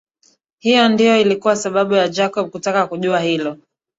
Hiyo ndiyo ilikuwa sababu ya Jacob kutaka kujua hilo